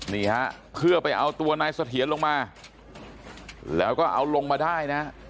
นี่ฮะเพื่อไปเอาตัวนายเสถียรลงมาแล้วก็เอาลงมาได้นะ